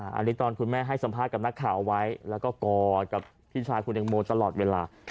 อันนี้ตอนคุณแม่ให้สัมภาษณ์กับนักข่าวเอาไว้แล้วก็กอดกับพี่ชายคุณตังโมตลอดเวลา